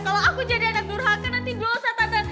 kalau aku jadi anak durhaka nanti dosa tante